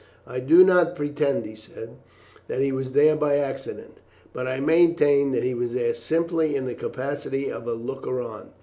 "I do not pretend," he said, "that he was there by accident; but I maintain that he was there simply in the capacity of a looker on.